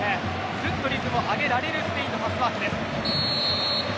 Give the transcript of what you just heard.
ずっとリズムを上げ続けられるスペインのパスワークです。